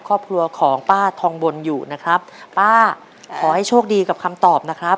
ครอบครัวของป้าทองบนอยู่นะครับป้าขอให้โชคดีกับคำตอบนะครับ